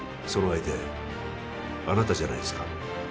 その相手あなたじゃないですか？